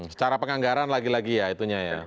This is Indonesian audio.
secara penganggaran lagi lagi ya itunya ya